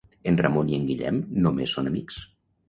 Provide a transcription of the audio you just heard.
En Ramon i en Guillem només són amics.